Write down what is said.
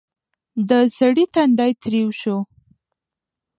د سړي تندی تريو شو: